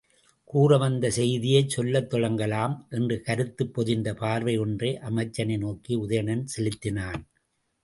கூற வந்த செய்தியைச் சொல்லத் தொடங்கலாம் என்ற கருத்துப் பொதிந்த பார்வை ஒன்றை அமைச்சனை நோக்கி உதயணன் செலுத்தினான்.